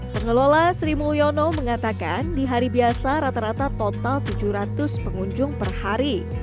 pengelola sri mulyono mengatakan di hari biasa rata rata total tujuh ratus pengunjung per hari